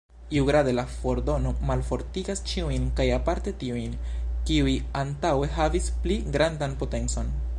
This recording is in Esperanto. Iugrade, la fordono malfortigas ĉiujn kaj aparte tiujn, kiuj antaŭe havis pli grandan potencon.